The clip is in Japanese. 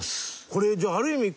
これじゃあある意味